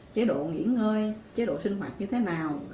chế độ nghỉ ngơi chế độ sinh hoạt như thế nào